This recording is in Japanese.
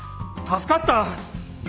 助かった。